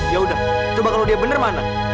yaudah coba kalau dia bener mana